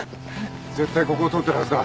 絶対ここを通ってるはずだ。